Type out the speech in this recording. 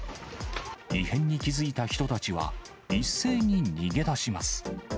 異変に気付いた人たちは、一斉に逃げ出します。